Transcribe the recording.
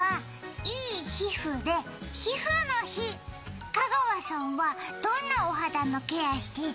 今日はいいひふで、皮膚の日香川さんはどんなお肌のケアしてる？